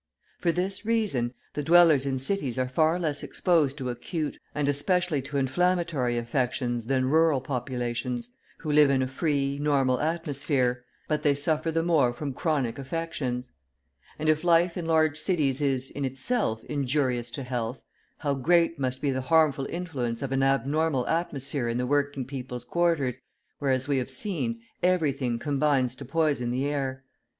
For this reason, the dwellers in cities are far less exposed to acute, and especially to inflammatory, affections than rural populations, who live in a free, normal atmosphere; but they suffer the more from chronic affections. And if life in large cities is, in itself, injurious to health, how great must be the harmful influence of an abnormal atmosphere in the working people's quarters, where, as we have seen, everything combines to poison the air.